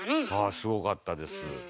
すごかったです。